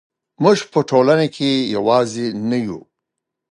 موږ په ټولنه کې یوازې نه یو.